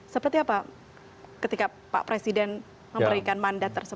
seperti apa ketika pak presiden memberikan mandat